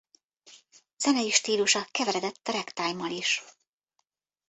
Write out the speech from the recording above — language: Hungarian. Zenei stílusa keveredett a ragtime-mal is.